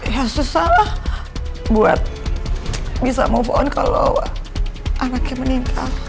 ya susah lah buat bisa move on kalau anaknya meninggal